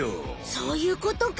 そういうことか。